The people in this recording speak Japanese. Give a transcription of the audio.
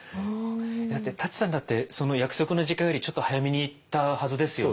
だって舘さんだってその約束の時間よりちょっと早めに行ったはずですよね。